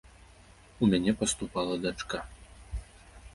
У мяне паступала дачка.